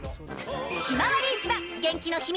ひまわり市場元気の秘密